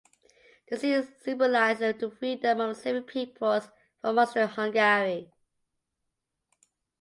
The scene symbolizes the freedom of the Slavic peoples from Austria-Hungary.